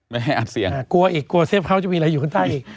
ไม่ให้อัดเสียงกลัวอีกกลัวเซฟเขาจะมีอะไรอยู่ข้างใต้อีก